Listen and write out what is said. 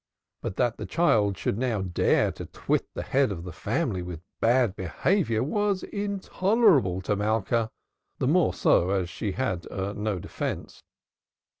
But that the child should now dare to twit the head of the family with bad behavior was intolerable to Malka, the more so as she had no defence.